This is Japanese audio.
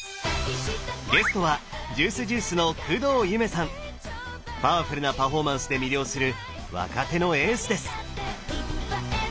ゲストはパワフルなパフォーマンスで魅了する若手のエースです！